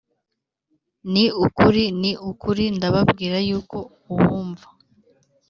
Ni ukuri ni ukuri ndababwira yuko uwumva